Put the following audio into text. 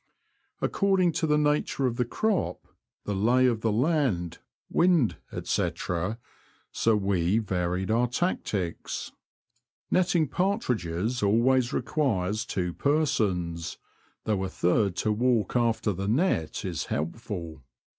Ac cording to the nature of the crop, the lay of the land, wind, ^c, so we varied our tactics. Netting partridges always requires two persons, though a third to walk after the net is helpful.